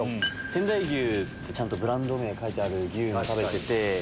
仙台牛ちゃんとブランド名書いてある牛も食べてて。